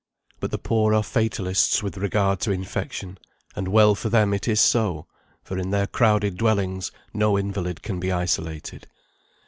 But the poor are fatalists with regard to infection; and well for them it is so, for in their crowded dwellings no invalid can be isolated.